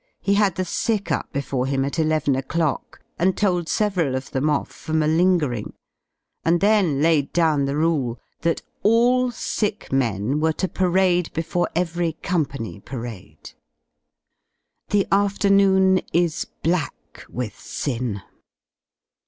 He had the sick up before him at eleven o'clock, and told several of them off for malingering, and then laid down the rule that all sick men were to parade before every Company parade. The afternoon is black with sin.